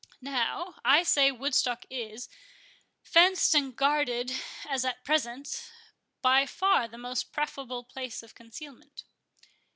Now, I say Woodstock is, fenced and guarded as at present, by far the most preferable place of concealment."